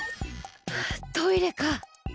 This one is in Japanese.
はあトイレか。